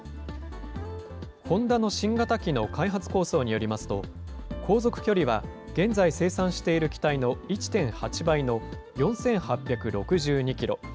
ホンダの新型機の開発構想によりますと、航続距離は、現在生産している機体の１．８倍の４８６２キロ。